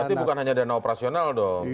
berarti bukan hanya dana operasional dong